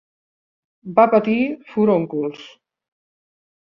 Va patir furóncols.